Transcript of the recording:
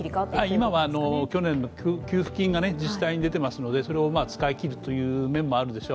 今は去年の給付金が自治体に出ていますのでそれを使いきるという面もあるでしょう。